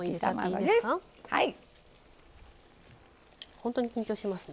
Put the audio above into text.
本当に緊張しますね。